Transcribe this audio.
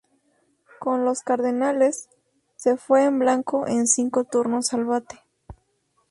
Con los Cardenales, se fue en blanco en cinco turnos al bate.